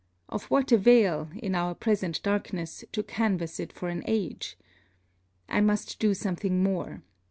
Of what avail, in our present darkness, to canvass it for an age? I must do something more.